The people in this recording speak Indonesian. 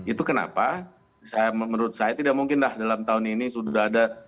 itu kenapa menurut saya tidak mungkin lah dalam tahun ini sudah ada